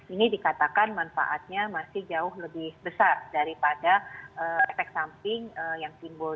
ini dikatakan manfaatnya masih jauh lebih besar daripada efek samping yang timbul